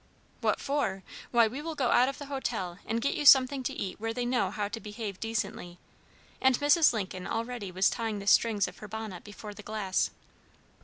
"What for! Why, we will go out of the hotel, and get you something to eat where they know how to behave decently;" and Mrs. Lincoln already was tying the strings of her bonnet before the glass.